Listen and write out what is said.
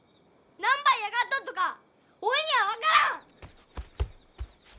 何ば嫌がっとっとかおいには分からん！